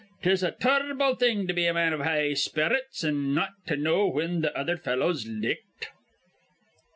'Tis a tur rble thing to be a man iv high sperrits, an' not to know whin th' other fellow's licked."